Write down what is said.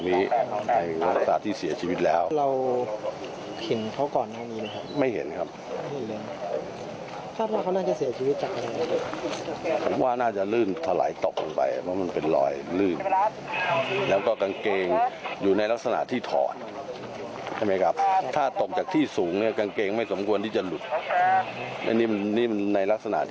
มันนี่จะหลุดอันนี้ในลักษณะที่เหมือนกับว่าเค้าจะยืน